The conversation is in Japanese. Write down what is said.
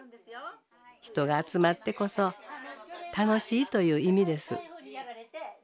「人が集まってこそ楽しい」という意味です。